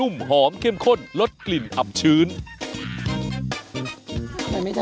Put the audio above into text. ไม่ได้อีกอัน